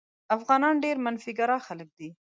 افغانان ډېر منفي ګرا خلک دي.